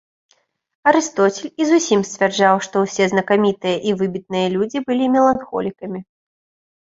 Арыстоцель і зусім сцвярджаў, што ўсе знакамітыя і выбітныя людзі былі меланхолікамі.